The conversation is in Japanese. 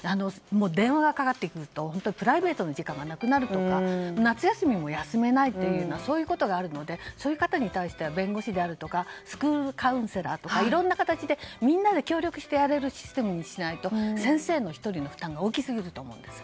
電話がかかってくるとプライベートの時間がなくなるとか夏休みも休めないといったことがあるのでそういう方に対しては弁護士であるとかスクールカウンセラーとかいろんな形でみんなで協力してやれるシステムにしないと先生１人の負担が大きすぎると思うんです。